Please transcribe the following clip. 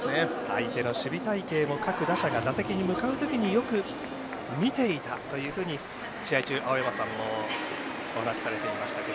相手の守備隊形も各打者が打席に向かうときによく見ていたというふうに試合中青山さんもお話されていました。